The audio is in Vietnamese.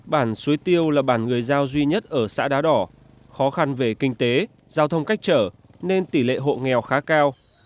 bản suối tiêu là bản người giao duy nhất ở xã đá đỏ khó khăn về kinh tế giao thông cách trở nên tỷ lệ hộ nghèo khá cao